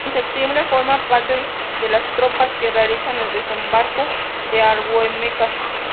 En septiembre forma parte de las tropas que realizan el desembarco de Alhucemas.